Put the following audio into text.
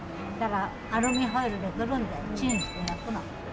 アルミホイルでくるんでチンして焼くの。